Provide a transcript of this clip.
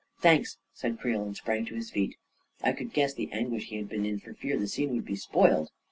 " Thanks !" said Creel, and sprang to his feet. I could guess the anguish he had been in for fear the scene would be spoiled.